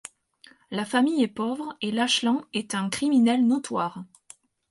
La famile est pauvre et Lachlan est un criminel notoire.